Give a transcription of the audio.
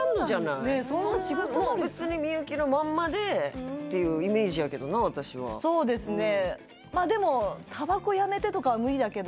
普通に幸のまんまでっていうイメージやけどな私はそうですね